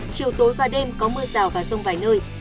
chiều tối và đêm có mưa rào và rông vài nơi